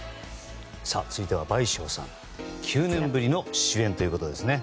続いては倍賞さんが９年ぶりの主演ということです。